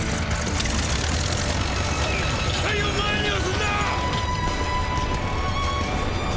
機体を前に押すんだ！！